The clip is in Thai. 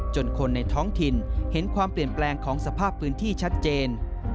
คนในท้องถิ่นเห็นความเปลี่ยนแปลงของสภาพพื้นที่ชัดเจน